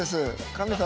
神様